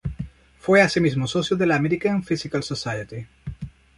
Fue asimismo socio de la American Physical Society.